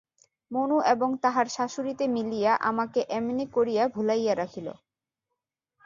মনু এবং তাহার শাশুড়িতে মিলিয়া আমাকে এমনি করিয়া ভুলাইয়া রাখিল।